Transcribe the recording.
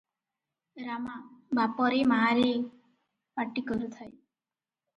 ରାମା 'ବାପରେ ମାରେ' ପାଟି କରୁଥାଏ ।